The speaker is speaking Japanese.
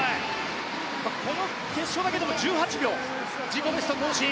この決勝だけでも１８秒自己ベスト更新。